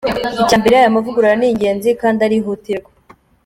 Icya mbere, aya mavugurura ni ingenzi kandi arihutirwa.